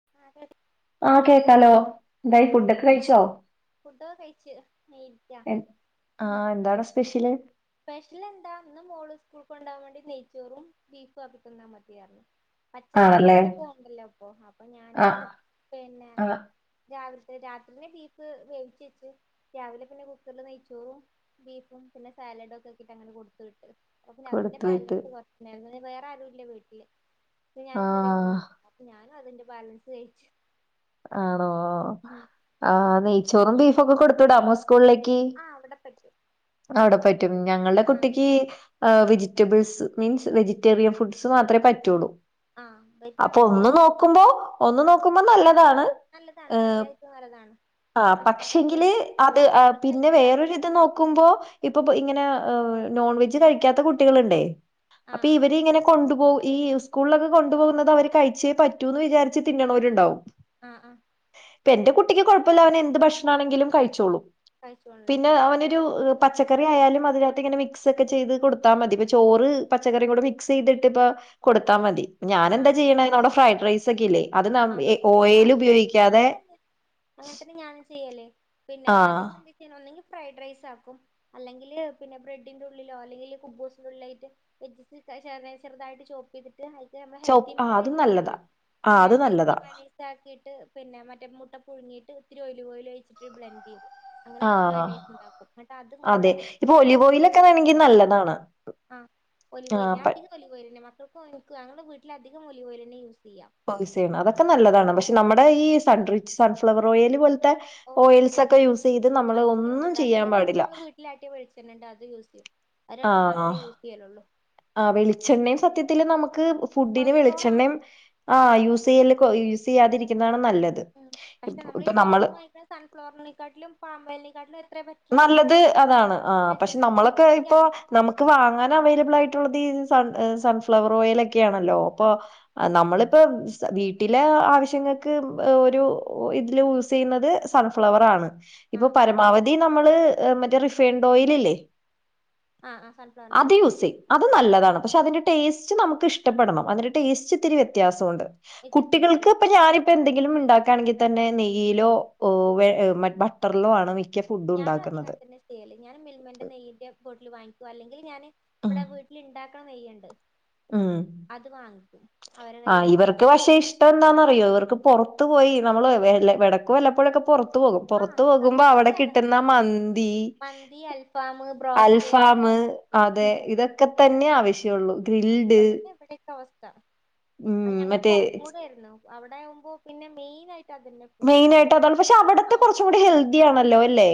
[unintelligible] ആഹ് കേക്കാലോ ന്തായി ആ ഫുഡൊക്കെ കഴിച്ചോ ഫുഡൊക്കെ കഴിച്ച് ങ്ങഇരിക്ക എ ഹും ആഹ് എന്താണ് സ്പെഷ്യല് സ്പെഷ്യൽ എന്താ ന്ന് മോള് സ്കൂൾക്കൊണ്ടാവാൻ വേണ്ടി നെയ്ച്ചോറും ബീഫുവാക്കിതന്ന മതിയർഞ്ഞ് പച്ചക്കറി ആണല്ലേ മക്കക്ക് വാണ്ടല്ലോ പ്പൊ അപ്പൊ ആഹ് ഞാനിന്ന് പിന്നെ ആഹ് രാവിൽ രാത്രിന്നെ ബീഫ് വേിച്ചെച്ച് രാവിലെ പിന്നെ കുക്കറിൽ നെയ്ച്ചോറും ബീഫും പിന്നെ സാലഡ് ഒക്കെക്കിട്ടങ്ങനെ കൊടുത്ത് വിട്ട് അപ്പഞ്ഞതിന്റെ കൊടുത്തു വിട്ട് ബാലൻസ് കൊർച്ച്ണ്ടായിര്ന്നു വേറെ ആരുല്ല വീട്ട്ല് ഞാൻ ചെറിയ ആഹ് മോളും അപ്പൊ ഞാൻ അതിന്റെ ബാലൻസ് കഴിച്ചു ആണോ ഓ ആന്നെ ചോറും ബീഫൊക്കെ കൊടുത്തുടാമോ സ് കൂൾലേക്ക് ആ അവിടെ പറ്റും അവിടെ പ ഞങ്ങളൾടെ ആ കുട്ടിക്ക് ആ വെജിറ്റബ്ൾസ് മീൻസ് വെജിറ്റേറിയൻ ഫുഡ്സ് മാത്രേ പറ്റുള്ളൂ ആ ഇവർക്ക് അപ്പോ ഒന്ന് അങ്ങനെയില്ല നോക്കുമ്പോ ഒന്ന് ആ നോക്കുമ്പോ നല്ല താണ് നല്ലതാണ് സത്യായിട്ടും നല്ലതാണ് പ പക്ഷേ പക്ഷെങ്കില് പിന്നെ അത് പിന്നെ കഴിക്കില്ല വേറൊരു ഇത് നോക്കുമ്പോ ഇപ്പം പ്പോ ഇങ്ങനെ ഏ നോൺവെജ് കഴിക്കാത്ത കുട്ടികള്ണ്ടേ ആ അപ്പൊ ആ ഇവര് ആ ഇങ്ങനെ കൊണ്ടു പോ ഈ സ്കൂളിലൊക്കെ കൊണ്ടു പോകുന്നത് അവര് കഴിച്ചേ പറ്റൂന്ന് വിചാരിച്ച് തിന്ന്ണോരുണ്ടാവും ആ ആ ഇപ്പ എന്റെ കുട്ടിക്ക് കുഴപ്പല്ല അവനെന്ത് ഭക്ഷണാണെങ്കിലും കഴിച്ചോളും കഴിച്ചോളണേ പിന്നെ ഇവിടെ അവനൊരു മോൾക്ക് തീരെ പച്ചക്കറി ഓപ്പോസിറ്റാ ആയാലും അതിനകത്ത് ഇങ്ങനെ മിക്സ് ഒക്കെ ചെയ്ത് കൊടുത്താമതി ഇപ്പം ചോറ് പച്ചക്കറിക്കൂടെ മിക്സ് ചെയ്തിട്ട് ഇപ്പം കൊടുത്താമതി ആ ഞാനെന്താ ആ ചെയ്യണേ ന്നടെ ഫ്രൈഡ്റൈസ് സക്കിലേ അത് നം ആ ഏ ഫ്രൈഡ്‌റൈസ് ഓയേ അത് കഴിക്കും. ഉപയോഗിക്കാതെ യലേ പിന്നെ ആ അധികം എന്ത് ഒന്നെങ്കി ഫ്രൈഡ്റൈസ് ആക്കും അല്ലെങ്കില് പിന്നെ ബ്രെഡിന്റെ ഉള്ളിലോ അല്ലെങ്കില് കുബ്ബൂസിൻ്റെ ഉള്ളിലായിട്ട് വെജ്ജീസ് ചെറുതായി ചെറുതായിട്ട് ചോപ്പ് ചെയ്തി ഹെൽത്ത് മ്മളെ ചോ ഹെൽത്തി ആ അത് നല്ലതാ മയോണൈസ്ണ്ടല്ലോ ആ അത് വെ നല്ലതാ മനാക്കിയിട്ട് പിന്നെ മറ്റേ മുൂട്ട പുഴുങ്ങിട്ട് ഒത്തിരി ഒല കോല ്ലി അങ്ങനെ ആ വനസ്ണ്ടാക്കുംട്ട് അതും കൂടെ അതെ ഇപ്പൊ മിക്കട്ട് ഒലിവ് ഓയിലൊക്കെ ആണെങ്കിൽ കൊടുക്കും നല്ലതാണ് ആ കൊലി കോ ആ പ ഞാ കൊലി കോോെ ഇഞങ്ങള വീട്ടിലധിക ഒലി വലെ യ സ്യ യൂസ് അതൊക്കെ നല്ലതാണ് പക്ഷെ നമ്മുടെ ഈ സൺ സൺഫ്ലവർ ഓൽ ഓഹ് ഓയിൽസ് ഒക്കെ യൂസ് ചെയ്ത് നമ്മൾ ഭയങ്കര ഒന്നും ബുദ്ധിമുട്ടാ ചെയ്യാൻ അല്ലെങ്കിൽ പിന്നെ പാടില്ല നമ്മള് വീട്ടിലാട്ടിയ വെളിച്ചെണ്ണണ്ട് അത് യൂസ് ചെയ്യും അത് രണ്ട് മാത്രേ യൂസ് ചെയ്യലുള്ളൂ [inaudible] ആഹ വെളിച്ചെണ്ണയും സത്യത്തില് നമുക്ക് കൊളസ്ട്രോൾ ആണ് െ യൂസ് ചെയ്യാതിരിക്കുന്നതാണ് നല്ലത് ഉം പക്ഷെ ഇപ്പ നമ്മൾഈ നമ്മള് പുറത്ത്നിന്ന് വായി സൺഫ്ലവറിനെക്കാട്ടിലും പാമ്പലിനെക്കാട്ടിലും എത്ര പറ്റ നല്ലത് അതാണ് ആ പക്ഷെ നമ്മളൊക്കെ ഇപ്പൊ വിശ്വസിക്കാലോ നമുക്ക് വാങ്ങാൻ അവൈലബിൾ ആയിട്ടുള്ളത് ൺ സൺഫ്ലവർ ഓയിൽ ഒക്ക ണല്ലോ അപ്പ ആഹ് നമ്മള ഇപ്പ വീട്ടിലെ ആവശ്യങ്ങൾക്ക് ഒരു ഇതില് യൂസ് ചെയ്യുന്നത് സൺഫ്ലവർ ആണ് ഇപ്പൊ ആഹ് ആഹ് പരമാവധി ന മറ്റേ റിഫൈൻഡ് ഓല്ലേ ആഹ് ആഹ് സൺഫ്ലവറിന്റെ അത് ഓക്കെ യൂസ് ആഹ് ചെയ്യ അത് നല്ലതാണ് പക്ഷെ അതിന്റെ ടേസ്റ്റ് ച്ച് നമുക്ക് ഇഷ്ടപ്പെടണം അതിന് ടേസ്റ്റ്ിത്തിരി വ്യത്യാസമുണ്ട് വ്യത്യാസം കുട്ടികൾക്ക് ഉണ്ടാവില്ല ഇപ്പ ഞാനിപ്പോ എന്തെങ്കിലും ഉണ്ടാക്കി ആണെങ്കിൽ തന്നെ നെയയിലോ ബട്ടറിലോ ആണ് മിക്ക ഫുഡും ഞാനും അധ ക ഉണ്ടാക്കുന്നത് തന്നെ സ്റ്റേല്ലേ ഞാൻ മിൽമന്റെ നെയ്യൻന്റെ ബോട്ടിൽ വാങ്ങിക്കുവ അല്ലെങ്കിൽ ഞാന് ഇവിടെ വീട്ടിൽ ഉണ്ടാക്കണ നെയ്യുണ്ട് ഉഹ അത് വാങ്ങിക്കും അവരെ ആഹ കയ്യിന്ന് ഇവർക്ക് പക്ഷെ ഇഷ്ടം എന്താന്നറിയോ ഇവർക്ക് പുറത്ത്ു പോയി നമ്മള് വെടക്ക് വല്ലപ്പോഴൊക്കെ പുറത്ത് പുറ പോകും ആഹ് പുറത്ത്ു പോകുമ്പോ അവിടെ സത്യാണ് കിട്ടുന്ന മന്തി മന്തി അൽഫാം ബ്രോസ്റ്റ് അൽഫാം് അതെ ഇതൊക്കെ തന്നെ ആവശ്യം ള്ളൂ ഗ്രിൽഡ് ത്ത ഉം മറ്റേ അവിടെ ആകുമ്പോ പിന്നെ മെയിൻ ആയിട്ട് അതന്നെ ഫുഡ് മെയിൻ ആയിട്ട് അതാണ് പക്ഷെ അവിടത്തെ ആഹ് കുറച്ചും കൂടി ഹെൽത്തി ആണല്ലോ അല്ലേ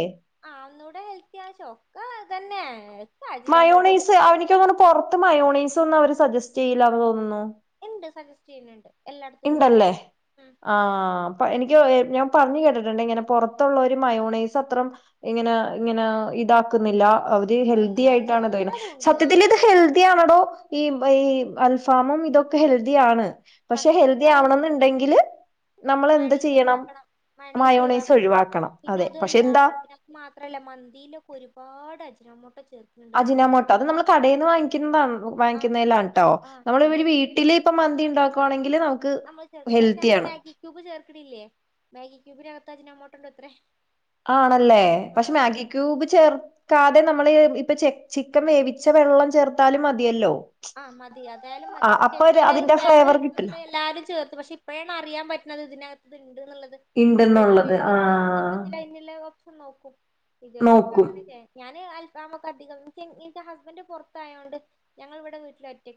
അന്നൂടെ ഹെൽത്തിയാ ചൊക്ക അതന്നെയാ മയോണീസ് [unintelligible] പുറത്ത് മയോണീസ് ഒന്നും അവര് സജസ്റ്റ് ചെയ്യില്ലാന്ന് തോന്നുന്നു ഇണ്ട് സജസ്റ്റ് ചെയ്യുന്നുണ്ട് എല്ലായിടത്തും ഇണ്ടല്ലേ കിട്ടുന്നുണ്ട് ഉം ആഹ് അപ്പൊ എനിക്ക് ഞാൻ പറഞ്ഞു കേട്ടിട്ടുണ്ട് ഇങ്ങനെ പൊറത്തുള്ളോര് മയോണൈസ് അത്രം ഇങ്ങനാ ഇങ്ങനാ ഇതാക്കുന്നില്ലാ അവര് ഹെൽദി എല്ലാ കൂടു ആയിട്ടാണ് [unintelligible] എല്ലാതും ഉണ്ട് സത്യത്തിൽ ഇത് എല്ലാ ഹെൽദി ആണോടോ ഈ ഈ അൽഫാമും ഇതൊക്കെ ഹെൽദി ആണ് പക്ഷെ ഹെൽത്തി എന്താണ് ആവണന്നുണ്ടെങ്കില് നമ്മൾ എന്ത് മയോണൈസ് ചെയ്യണം ഒഴിവാക്കണം മയോണൈസ് ഒഴിവാക്കണം പിന്നെ അതെ അതും പക്ഷെ അല്ല എന്താ പിന്നത് മാത്രല്ല മന്തിയിലൊക്കെ ഒരുപാട് അജിനാമോട്ടോ അജിനാമോട്ടോ അത് നമ്മൾ കടയിൽ നിന്ന് വാങ്ങിക്കുന്നതാണ് ആഹ് വാങ്ങിക്കുന്നലാട്ടോ ആഹ് നമ്മൾ ഇവര് നമ്മള് വീട്ടില് ഇപ്പ മന്തി ആഹ് ഉണ്ടാക്കുവാണെങ്കില് നമുക്ക് നമ്മള് ചേർക്കില്ല പക്ഷെ നമ്മള് ഹെൽത്തിയാണ് [unintelligible] അജിനോമോട്ടോണ്ടത്രേ ആണല്ലേ പക്ഷെ മാഗി ക്യൂബ് ചേർക്കാത് [unintelligible] നമ്മൾ ഇപ്പ ചെ ചിക്കൻ വേവിച്ച വെള്ളം ചേർത്താലും മതിയല്ലോ ആ മതി അതായാലും ആ മതി പക്ഷെ അപ്പൊ എന്തായാലും ഒരു അതിന്റെ ഫ്ലേവർ കിട്ടല്ലോ? കിട്ടുന്നുണ്ടേ എല്ലാരും ചേർത്ത് പക്ഷെ ഇപ്പഴാണ് അറിയാൻ പ [unintelligible] ഇതിനകത്തിത് ഇണ്ട് എന്നുള്ളത് ഇപ്പഴാ ഇണ്ട്ന്നുള്ളത് അറിയുന്നത് ആ ഇപ്പൊ ആ ഇന്നെണ്ണത്തിൽ [unintelligible] നോക്കും ഇതുവരെപ്പ അങ്ങനക്കെ ഞാന് [unintelligible] നമക്ക് അധികം [unintelligible] ഹസ്ബന്റ് പുറത്തായോണ്ട് ഞങ്ങള് ഇവി [unintelligible] വീട്ടിൽ ഒറ്റ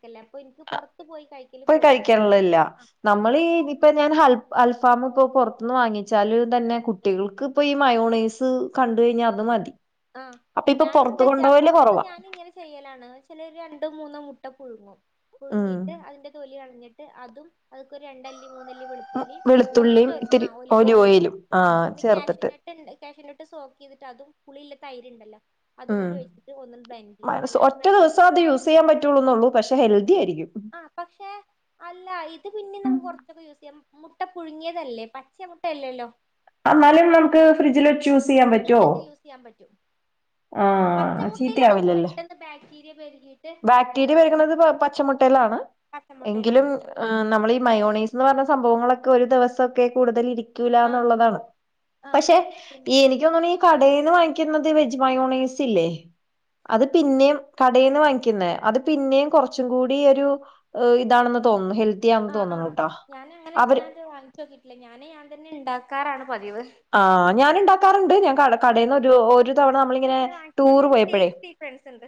പോയി അല്ല കഴിക്കാനുള്ളല്ല ആഹ് നമ്മളീ അപ്പൊ ഇപ്പ ഞാൻ [unintelligible] അൽഫാമ് ഇപ്പോ പൊറ ന്നു വാങ്ങിച്ചാല് തന്നെ കുട്ടികൾക്ക് ഇപ്പ ഈ മയോണൈസ് കണ്ട് കഴിഞ്ഞാ അത് മതി ആഹ് അപ്പൊ ഇപ്പൊ ഞാന് പുറത്ത് എന്താ [unintelligible] അപ്പ കൊണ്ടുപോവല് അപ്പൊ കുറവാ. ഞാന് ഇങ്ങനെ ചെയ്യലാണ് ചില രണ്ടോ മൂന്നോ മുട്ട ഉഴുന്നും ഉം പുഴുങ്ങിയിട്ട് അതിന്റെ തൊലി കളഞ്ഞി [unintelligible] അതും അതിക്ക് ഒര് രണ്ടല്ലി മൂന്നല്ലി വെളുത്തുള്ളി വെളുത്തുള്ളിയും കൊറച്ച് ഇത്തിരി ആ ഒലിവ് ഒലിവോയിലും ഓയിലും ആ ആഹ് പിന്നെ ചേർത്തിട്ട് ക്യാഷൂനട്ട് [unintelligible] ക്യാഷൂന സോക്ക് ചെയ്തിട്ട് അതും പുളിയില്ലാ തൈര്ണ്ടല്ലോ ആ [unintelligible] നല്ലത് ഒറ്റ ബ്ലെൻഡ് ചെയ്ത് ദിവസം അത് യൂസ് ചെയ്യാൻ പറ്റുളുന്നുള്ളൂ പക്ഷെ ഹെൽ എരിക്ക [unintelligible] ആ പക്ഷെ അല്ല ഇത് പിന്നീം ഉം നമുക്ക് കുറച്ചൊക്കെ യൂസ് ചെയ്യാം മുട്ട പുഴുങ്ങിയതല്ലെ പച്ച മുട്ടയല്ലല്ലോ എന്നാലും നമുക്ക് ഫ്രിഡ്ജിൽ വെച്ച് യൂസ് സെയ്യാൻ പറ്റോ ഫ്രിഡ്ജൊക്കെ യൂസ് ചെയ്യാൻ പറ്റും ആ പച്ചമുട്ടയിലാണ് നമുക്ക് ചീത്തയാവില്ലല്ലോ പെട്ടെന്ന് ബാക്ടീരിയ പെരുകിയിട്ട് ബാക്ടീരിയ പെരുകുന്നത് പെട്ടെന്ന് പച്ചമുട്ടേലാണ് എങ്കിലും കട്ടൻമുട്ടയിലാണോ നമ്മള് ഈ മയോണൈസ് എന്നു പർഞ്ഞ ഈ സംഭവങ്ങളൊക്കെ ഒരു ദിവസൊക്കെ കൂടുതൽ ഇരിക്ക് ആഹ് ത്തുലാന്നുള്ള താണ് ആഹ് പക്ഷെ പിന്നെ എനിക്ക് തോന്നണീ കടേന്ന് വാങ്ങിക്കുന്നത് വെജ് മയോണൈസില്ലേ അത് പിന്നേം കടേന്ന് വാങ്ങിക്കുന്നേ അത് പിന്നേം കൊർച്ചും കൂടി ഒരു ഇതാണെന്ന് തോന്നുന്നു ഹെൽ ആ ആ ഞാന് അങ്ങനെ ഞാൻ ഇതുവരെ വാങ്ങിച്ചു നോക്കീട്ടില്ല ഞാനേ ഞാൻ തന്നെ ഇണ്ടാക്ക കാറാ ണം ആ ഞാന് ഇണ്ടാക്കാ [unintelligible] ആഹ് കടേന്ന് ആഹ് ഒരു ഒരു തവണ ഞാൻ നമ്മളിങ്ങനെ ഇതുവരെ വാങ്ങിച്ചിട്ടില്ല പക്ഷെ ടൂറ് അതിന്റെ പോയപ്പഴേ ടേസ്റ്റ് ഡിഫറൻസ് ഉണ്ട്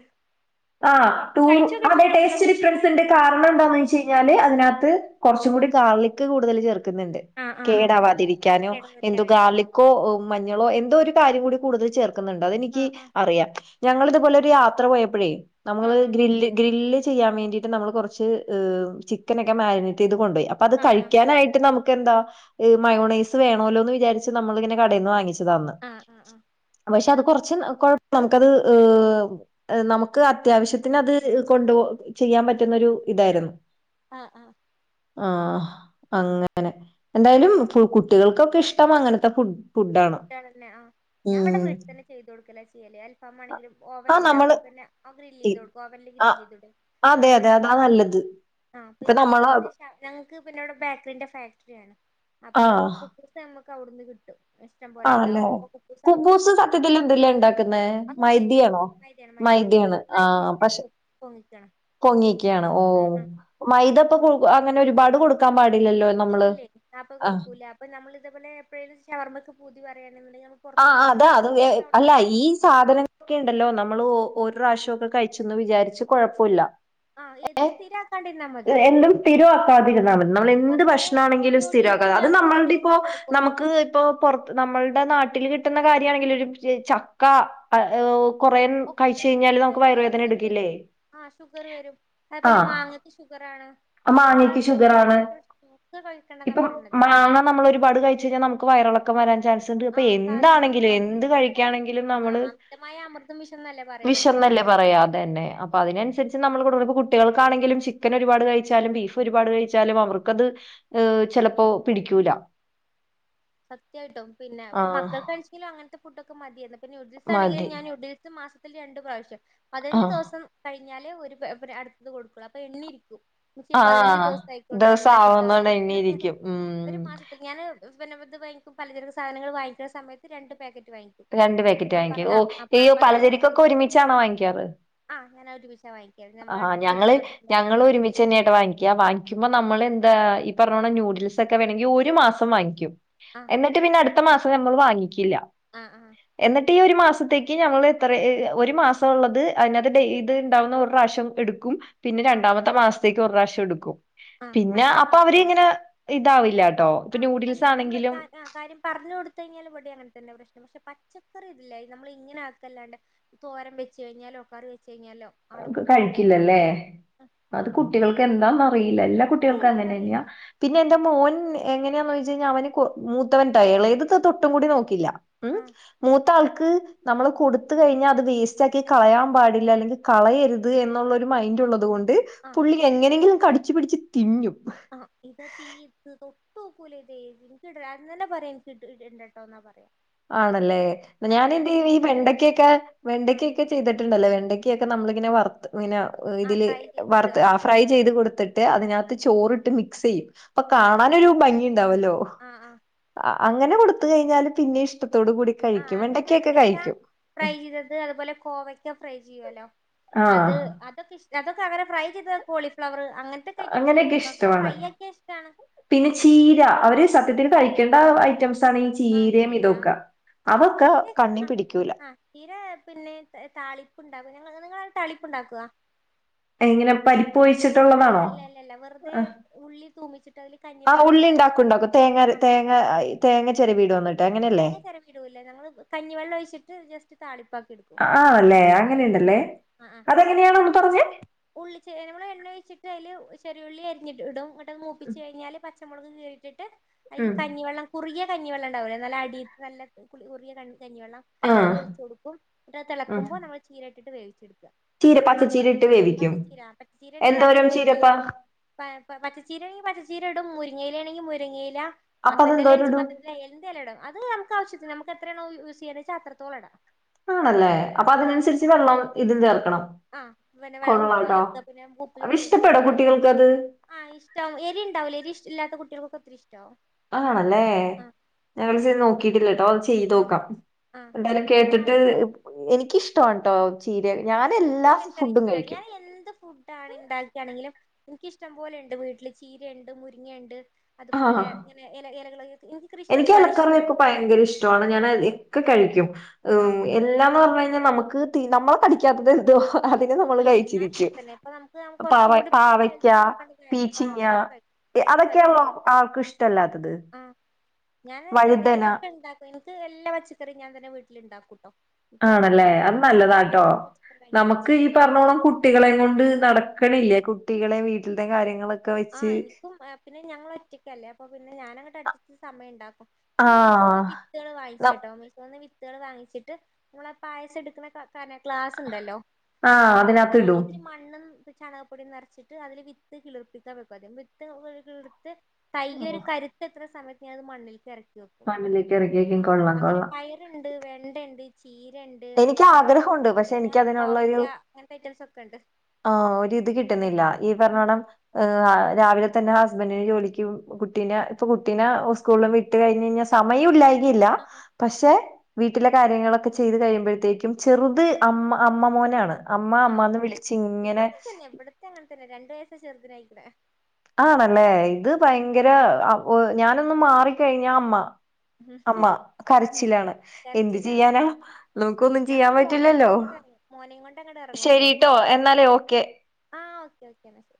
ആ ഞാൻ പൊറത്ത് ടൂറ് കഴിച്ച് അതേ നോക്കിയിട്ടുണ്ട് എവിടുന്നാ ടേസ്റ്റ് പക്ഷെ ഡിഫറൻസ്ണ്ട് കാരണം എന്താന്നെച്ചയ്ഞ്ഞാല് അതിനകത്ത് കൊറച്ചുംകൂടി ഗാർലിക്ക് കൂടുതൽ ചേർ ക്ക്ന്ന്ണ്ട്. ആഹ് ആഹ് ആഹ് കേടാവാതിരിക്കാനും കേടൊന്നും എന്തു വരിക്കാനായി ഗാർളിക്കോ മഞ്ഞളോ എന്തോ ഒരു കാര്യം കൂടി കൂടുതൽ ചേർ ക്കുന്ന്ണ്ട്. അതെനിക്ക് ആഹ് ആഹ് അറിയാം. ഞങ്ങളിതുപോലെ ഒരു യാത്ര പോയപ്പഴേ നമ്മള് ആഹ് ഗ്രില്ല് ഗ്രില്ല് ചെയ്യാൻ വേണ്ടിയിട്ട് നമ്മൾ കുറച്ച് ചിക്കനൊക്കെ മാഗ്നേറ്റ് ചെയ്ത് കൊണ്ടോയി അപ്പൊ അത് ആഹ് ആഹ് കഴിക്കാനായിട്ട് നമു ക്കെന്താ മയോണൈസ് വേണോല്ലോ എന്ന് വിചാരി ച്ച് നമ്മളിങ്ങനെ കടേന്ന് വാങ്ങിച്ച് ത് അന്ന്. ആഹ് ആഹ് ആഹ് പക്ഷേ അത് കുറച്ച് കൊഴപ്പം നമുക്കത് ഏഹ് നമുക്ക് അത്യാവശ്യത്തിന് അത് കൊണ്ട് ചെയ്യാൻ പറ്റുന്നൊരു ഇതായിരുന്നു. ആ ആ ആ അങ്ങനെ. എന്തായാലും കുട്ടികൾക്കൊക്കെ ഇഷ്ടം അങ്ങനെ ത്ത ഫു ഫുഡാണ് ന്നെ. ആ ഞാൻ ഇവിടെ വീട്ടിൽ തന്നെ ചെയ്തു കൊടുക്കലാ ചെയ്യല്. അൽഫാമാണെങ്കിലും ആ ഓവനിണ്ട്. അപ്പൊ നമ്മള് പിന്നെ ഒ ഗ്രിലെയ്ത് ഇ- കൊടുക്കും. ഓവനില് ആ ഗ്രിലെയ്തൂടെ. അതെ പിന്നെ അതെ അതാ നല്ലത് ആ ഇപ്പൊ പിന്നെ അതുപോലെ നമ്മള് തന്നെ ഞങ്ങക്ക് പിന്നെ ബേക്കറിന്റെ ഫാക്ടറി ആണ്. അപ്പൊ ആഹ് കുബ്ബൂസ് ഞ മ്മക്ക് അവ്ടുന്ന് കിട്ടും. ഇഷ്ടം പോലെ ആണല്ലേ ഉണ്ടാവും അപ്പൊ അവിടുന്ന് കുബൂസ് എടുത്തിട്ട് സത്യത്തിൽ എന്തിലാ ഇണ്ടാക്കുന്നേ അത് മൈദ മൈദയാണ് ആണോ? മൈദയാണ് മൈദയാണ് മൈദാണ് ആ മൈദ ഈസ്റ്റിട്ട് പക്ഷെ പൊ- പൊങ്ങിക്കണം പൊങ്ങിക്കയാണ് ഓ ആഹ് ആഹ് മൈദപ്പൊ അങ്ങനെ ഒരുപാട് കൊട് ക്കാ പാ ഇല്ലേ അപ്പ കൊടുക്കൂല അപ്പൊ നമ്മൾ ഇതേപോലെ എപ്പോഴേലും ഷവർമ്മക്ക് പൂതി തി പറയാണെ ആ അതാ അത് അല്ല എടുക്കും ഈ സാധനങ്ങളൊക്കെ ഉണ്ടല്ലോ നമ്മൾ ഓ ഒരുപ്രാവശ്യമൊക്കെ കഴിച്ചെന്ന് വിചാരിച്ച് കൊഴപ്പുല്ല ആഹ് ഏത് സ്ഥിരാക്കാണ്ടിരി എന്തും സ്ഥിരമാക്കാതിരുന്ന നമ്മൾ ആഹ് അപ്പൊ എന്ത് അതുപോലെ ഭക്ഷണ ആണെങ്കിലും സ്ഥിരമാക്കാതെ ന്യൂഡിൽസ് അത് ഞാൻ നമ്മുടെ ഇപ്പോ ന്യൂഡിൽസ് കൊടുക്കും നമുക്ക് ഇപ്പ പുറത്ത് നമ്മളുടെ നാ ട്ടിൽ കിട്ടുന്ന കാര്യണെങ്കിൽ ഒരുമിച് ചക്ക ഓ [unintelligible] കഴിച്ചു കഴിഞ്ഞാല് ഷുഗർ വരും എടുക്കില്ലേ ആ ഷുഗർ വരും അതേപോലെ മാങ്ങക്ക് ഷുഗ മാങ്ങക്ക് ഷുഗറാണ് കഴിക്കണ്ടെന്നാ ഇപ്പൊ പറയണത് മാങ്ങ നമ്മൾ ഒരുപാട് കഴിച്ചഴിഞ്ഞാ നമുക്ക് വയ വയറളക്കം വരാൻ ചാൻസ്ണ്ട് ഇപ്പോ ആഹ് സാധ എന്താണെങ്കിലും എന്ത് എന്തായാലും കഴിക്കാണെങ്കിലും നമ്മള് ആഹ് അമിതമായ അമൃതും വിഷംന്നല്ലേ പറയണത് വിഷംന്നല്ലേ പറയ അതെന്നെ അപ്പോ അതിനനുസരിച്ച് നമ്മൾ കൊടുക്കു കുട്ടികൾക്കാണെങ്കിലും ചി ക്കൻ ഒരുപാട് കഴിച്ചാലും ബീഫ് ഒരുപാട് കഴിച്ചാലും അവർക്കത് എ് ചെലപ്പോ പിടിക്കൂല സത്യായിട്ടും പിന്നെ ഇപ്പൊ ആഹ് മക്കൾ കഴിച്ചെങ്കിലും അങ്ങനത്തെ ഫുഡൊ ക്ക് മതിയെന്ന് നുഡിൽസാണെങ്കിൽ മതി. ഞാൻ നുഡിൽസ് മസ് ത്തിൽ രണ്ട് പ്രാവശ്യം പതിനഞ്ചു ആഹ് ദിവസം കഴി ഞ്ഞാലേ ഒരു പാ അടുത്തത് കൊടുക്കുള്ളൂ. അപ്പൊ എണ്ണി ഇരിക്കും. ഉമ്മച്ചി പതിനഞ്ച് ആഹ് ദിവസം ആയിക്കോട്ടോ ദിവസം ഒണ്ടാക്കിത്താ ആവുന്നോണ്ട് പറയും. എണ്ണിയിരിക്കും. ഒരു ഉം മാസത്തിൽ ഞാന് [unintelligible] വാങ്ങിക്കും പലചരക്ക് സാധനങ്ങൾ വാങ്ങിക്കുന്ന സമയത്ത് രണ്ട് പാക്ക അപ്പ രണ്ട് പാക്കറ്റ് വാങ്ങിക്കും. ഓ ഇയ്യോ പലചരക്കൊക്കെ ഒരുമിച്ചാണോ വാങ്ങിക്കാറ്? അങ്ങനെ ഒരുമിച്ച് ആഹ് ഞങ്ങള് ഞങ്ങൾ ഒരുമിച്ച് തന്നെയാട്ടോ വാങ്ങിക്കാ. ആ വാങ്ങിക്കുമ്പോ നമ്മൾ എന്താ ഈ പറഞ്ഞോണം നൂ ഡിസൊക്കെ വേണോങ്കി ഒരു മാസം വാങ്ങിക്കും. ആ എന്നിട്ട് പിന്നെ അടു ത്ത മാസം നമ്മള് വാങ്ങി. ഇല്ല. ആ ആ എന്നി ഈ ഒരു മാസത്തേക്ക് നമ്മള് എത്ര ഒരു മാസം ഒള്ളത് അതിനകത്ത് ഡേ ഇത് ഇണ്ടാവുന്നോർ പ്രാവശ്യം എടുക്കും. പിന്നെ ആ രണ്ടാമത്തെ മാസം ത്ക്ക് ഒരുപ്രാവശം എടുക്കും ആ പിന്നെ അങ്ങനെ എടുത്തു അപ്പൊ അവര് വെക്കും ഇങ്ങനെ ഇതാവില്ല കേട്ടോ ഇപ്പൊ ആഹ് നൂഡിൽസ് അല്ല നമ്മള് ആണെങ്കിലും കാ കാര്യം പറഞ്ഞു കൊടുത്ത് കഴിഞ്ഞാല് ഇവിടെ അങ്ങനത്തന്നെ പ്രശ്നം പക്ഷെ പച്ചക്കറി ഇല്ല നമ്മളിങ്ങനാക്കല്ലണ്ട് തോരൻ വെച്ചുകഴിഞ്ഞാലോ കറി വെച്ച് കഴിഞ്ഞാലോ ആളെ നമുക്ക് കൊണ്ട് കഴിക്കാൻ കഴിയില്ല കഴിക്കില്ലല്ലേ ആഹ് അത് കുട്ടികൾക്ക് എന്താന്നറിയില്ല എല്ലാ എന്താ കുട്ടികൾക്കും അങ്ങനന്നെയാ എനിക്കറിയില്ല പിന്നെ എറെ മോൻ എങ്ങന യാന്ന് വെച്ച്കഴിഞ്ഞാ അവന് കൊ മൂത്തവന്റെ ഇളയത് തൊട്ടും ആഹ് കൂടി നോക്കില്ല ഉം ആഹ് മൂത്ത ആൾ ക്ക് നമ്മള് കൊടുത്ത് കഴിഞ്ഞ അത് വേസ്റ്റ് ആക്കി കളയാൻ പാടില്ല അല്ലെങ്കി കളയരുത് എന്നുള്ളൊരു മൈൻഡ് ഉള്ളത് കൊ ആഹ് പുള്ളി എങ്ങനെങ്കിലും കടിച്ചു പിടിച്ച് തിന്നും തൂക്കൂല ഇതു അത് തന്നെ പറയാം എനിട്ടണ്ടട്ടോ എന്നാ പറയാ ആണല്ലേ അപ്പൊ ഞാൻ ഇന്ന് ഞാനെന്തെയ്യും ഈ വേഗം അത് ചെയ്ത് വെണ്ടക്കയൊക്കെ ആഹ് വെണ്ടക്കയൊക്കെ ചെയ്തിട്ടുണ്ടല്ലേ വെണ്ടക്കയൊക്കെ നമ്മള് ഇങ്ങനെ വറുത്ത് പിന്നെ ആഹ് ഇതില് ഫ്രൈ ചെയ്തിട്ട് വറുത്ത്ആ ഫ്രൈ ചെയ്ത് കൊടുത്തിട്ട് അതിനാത്ത് ചോറിട്ട് മിക്സ് ചെയ്യും അപ്പൊ ആഹ് ആഹ് കാണാനൊരു ഭംഗി ഉണ്ടാവല്ലോ ആഹ് ആഹ് ആ അങ്ങനെ കൊടുത്ത്കഴിഞ്ഞാല് പിന്നെ ഇശ് ആഹ് അങ്ങനെ വെണ്ടക്ക ഫ്രൈ ചെയ്തത് അതുപോലെ കോവക്ക ഫ്രൈ ചെയ്യുവല്ലോ ആഹ് അത് അതൊക്കെ ഇഷ് അതൊക്കെ അവരെ ട്രൈ ചെയ്ത കോളിഫ്ലവർ അങ്ങനത്തെക്കെ ഐറ്റംസ് അങ്ങനെയൊക്കെ കഴിക്കും അതൊക്കെ ഇഷ്ടമാണ് ഫ്രൈ ആക്കിയ ഇഷ്ടാണ് പിന്നെ ചീര അവര് സത്യത്തി കഴിക്കേണ്ട ഐറ്റംസ് ആണ് ഈ ആ ചീരയും ചീര ആ ഇതൊക്കെ അതൊക്കെ ചീരക്കെ കണ്ണി ആ പിടിക്കൂല ആ ചീര പിന്നെ താളിപ്പ് ഉണ്ടാവ നിങ്ങ താളിപ്പ് ഉണ്ടാക്കുവാ എങ്ങനെ പരിപ്പൊഴിച്ചിട്ടുള്ളതാണോ അല്ല അല്ല അല്ല വെറുതെ ഉള്ളി തൂമിച്ചിട്ട് അതില് ആ കഞ്ഞിവെള്ളം ഉള്ളി ഒഴിച്ച് ഉണ്ടാക്കും ണ്ടാക്കും തേങ്ങ അര ആഹ് തേങ്ങ തേങ്ങ ചെറിയ വീട് വന്ന തേങ്ങ ചെരവി ഇടൂല്ല ഞങ്ങള് കഞ്ഞിവെള്ളം ഒഴിച്ചിട്ട് ജസ് താളി ആല്ലേ അങ്ങനെയുണ്ടല്ലേ ആഹ് ആഹ് അതെങ്ങനെയാണ് ഒന്ന് പറഞ്ഞേ ഉള്ളി നമ്മള് എണ്ണ ഒഴിച്ചിട്ട് അതില് ചെറിയുള്ളി അരിഞ്ഞിടും ഇടും അത് മൂപ്പിച് കഴിഞ്ഞാല് പ നമ്മളുക്ക് കേട്ടിട്ട് അ ഉം കഞ്ഞിവെള്ളം കുറിയ കഞ്ഞി വെള്ളം ണ്ടാവുലെ നല്ല അടിയിട്ട് നല്ല കുളി കുറിയ കണ് കഞ്ഞിവെള്ളം ആഹ് അതൊഴിച്ച് കൊടുക്കും എന്നിട്ട് അത് തെളക്കുമ്പോ നമ്മ ചീര ഇട്ട് വേവിചെടു ചീര അത്രേ ഉള്ളൂ പച്ചച്ചീര ഇട്ട് വേവിക്കും പച്ചചീര പച്ചച്ചീരണെങ്കിൽ അത് എന്തോരം മുരി ചീരപ്പാ പച്ചച്ചീര ആണെങ്കിൽ പച്ചച്ചീര ഇടും മുരി മുരിങ്ങയില ആണെങ്കിൽ മുരിങ്ങയില അപ്പൊ മത്തന്റെ എലെണ് അതെന്തോരം വെച്ച ഇടും മത്തന്റെ ഏത് അത് നമുക്ക് ആവശ്യത്തിന് നമക്ക് എത്രയാണോ യൂസ് ചെയ്യണെ വെച്ചാ അത്രത്തോളം ഇടാം ആണല്ലേ അപ്പൊ ആ അതിനനുസരിച്ച് വെള്ളം ഇതും ചേർക്കണം ആ പിന്നെ ഉപ്പ് കൊള്ളാട്ടോ ചേർക്ക പിന്നെ ഉപ്പ് അപ്പൊ ചേർത്ത് കൊടുക്ക ഇഷ്ടപ്പെടോ കഴിഞ്ഞ കുട്ടികൾക്കത് ആ ഇഷ്ട എരി ഉണ്ടാവില്ല എരി ഇല്ലാത്ത കുട്ടികൾകൊക്കെ ഒത്തിരിഷ്ടവും ആണല്ലേ ഞങ്ങള് ചെയ്തു നോക്കട്ടില്ല ആഹ് ചെയ്ത്തോക്കാം ആഹ് എന്തായാലും നമ്മുടെ കേട്ടിട്ട് നാട്ടിലൊക്കെ എനിക്കിഷ്ടാണ് ട്ടോ എനിക്ക് എത്ര ഇഷ്ടല്ല ഞാൻ എന്ത് ഫുഡാണ് ഉണ്ടാക്കിയാണെങ്കിലും എനിക്ക് ഇഷ്ടംപോലെ ഉണ്ട് വീട്ടില് ചീരയുണ്ട് മുരിങ്ങണ്ട് ആ അതുപോലെ ഇങ്ങനെ ഇല ഇലകള് കൃഷി എനിക്ക് ഒരുപാട് ഇലക്കറി ഒക്കെ ഇഷ്ടാണ് ഭയങ്കര ഇഷ്ടണ് ഞാൻ ആഹ് ഒക്കെ കഴിക്കും ആഹ് എല്ലാന്ന് പറഞ്ഞ് കഴിഞ്ഞാൽ നമുക്ക് നമ്മളെ കടിക്കാത്തത് അതിനെ എന്തും നമ്മൾ കഴിക്കും ഞാനും കഴിച്ചിരിക്കും അങ്ങനെ തന്നെ ഇപ്പൊ നമുക്ക് നമുക്ക് പാവ കുറച്ചും കൂടി പാവക്ക ഹെൽത്ത് നോക്കേണ്ടതായില്ലേ അപ്പൊ പീച്ചിങ്ങ അതൊക്കെ കഴിക്കും ഒക്കെ കഴിക്കും അതൊക്കെയാല്ലോ ആർക്കും ഇഷ്ടമല്ലാത്തത് ആഹ് ഞാൻ ഏകദേശം വഴുതന ഇതൊക്കെ ഉണ്ടാക്കും എനിക്ക് എല്ലാ പച്ചക്കറിയും ഞാൻ തന്നെ വീട്ടിലുണ്ടാക്കും എനിക്ക് അങ്ങനെ ആണല്ലേ അത് പൊറത്തുന്ന് അധികം ഞാൻ നല്ലതാട്ടോ അങ്ങനെ [unintelligible] കഴിക്കൽ നമുക്ക് ഈ പറഞ്ഞോളം കുട്ടികളെ കൊണ്ട് നടക്കണില്ല കുട്ടികളെ വീ ന്റെ കാര്യങ്ങളൊക്കെ വെച്ച് ആഹ് എനിക്കും പിന്നെ ഞങ്ങൾ ഒറ്റയ്ക്കല്ലേ അപ്പൊ പിന്നെ ഞാനങ്ങട്ട് അട്‌ സമയം ഉണ്ടാക്കും ആ ഞാൻ മീഷോന്ന് വിത്തുകൾ ന- വാങ്ങിച്ച്ട്ടോ മീശോന്ന് വിത്തുകൾ വാങ്ങിച്ചിട്ട് നമ്മളെ പായസം എടുക്കുന്ന ഗ്ലാസ് ഉണ്ടല്ലോ ആ അതിനകത്തിടും അതിൽ മണ്ണും ചാണക പൊടി നിറച്ചിട്ട് അതിൽ വിത്ത് കിളർപ്പിക്കും [unintelligible] വിത്ത് എടുത്ത് തൈ ആ. ഒരു കരുത്ത് എത്ര സമയത്ത് ഞാൻ അത് മണ്ണിലേക്കിറക്കി മണ്ണിലേക്ക് ഇറക്കിയേക്കും കൊള്ളാം അങ്ങനെ കൊള്ളാം പയറുണ്ട് വെണ്ട ഉണ്ട് എനിക്ക് ആഗ്രഹമുണ്ട് പക്ഷെ എനിക്കതിനുള്ള ഒരു കോവയ്ക്ക അങ്ങനത്തെ ഐറ്റംസ് ഒക്കെ ഉണ്ട് ആഹ് ഒരു ഇത് കിട്ടുന്നില്ല ഈ പറഞ്ഞവണ്ണം രാവിലെ തന്നെ ഹസ്ബൻഡിന് ജോലിക്ക് കുട്ടീന്റെ ഇപ്പൊ കുട്ടീനെ സ്കൂളിലും വിട്ട് കഴിഞ്ഞഞാ കഴിഞ്ഞാൽ സമയം ഇല്ലായി ഇല്ല ആഹ് പക്ഷെ വീട്ടില കാര്യങ്ങളൊക്കെ ചെയ്ത് ക ത്തേക്കും ചെറുത് അമ്മ അമ്മ മോനാണ്. അമ്മ അമ്മ ആഹ് എന്ന് വിളിച്ചു ഇങ്ങനെ രണ്ട് വയസ്സ് ചെറുതിന് ആയിക്കിന് ആണല്ലേ ഇത് ഭയങ്കര ഞാനൊന്ന് മാറിക്കഴിഞ്ഞ അമ്മ അമ്മ കരച്ചിലാണ് എന്ത് കരച്ചിലാ ചെയ്യാനാ അതന്നെ നമുക്ക് ഒന്നും ഞാൻ ചെയ്യാൻ പിന്നെ മോനേം പറ്റില്ലല്ലോ കൊണ്ട് അങ്ങട് എറങ്ങും മോനേം കൊണ്ട് അങ്ങട് എറങ്ങും പൊറത്ത് ശരിട്ടോ എന്നാലേ ഓക്കെ ആ ഓക്കെ ഓക്കെ എന്നാ ശരി